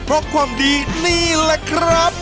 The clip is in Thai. เพราะความดีนี่แหละครับ